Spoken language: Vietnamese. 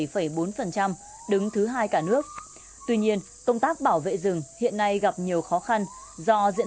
phần trăm đứng thứ hai cả nước tuy nhiên công tác bảo vệ rừng hiện nay gặp nhiều khó khăn do diện